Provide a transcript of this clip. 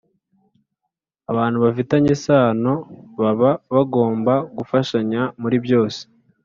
abantu bafitanye isano baba bagomba gufashanya muri byose